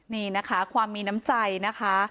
นี่นะคะความมีน้ำใจนะคะ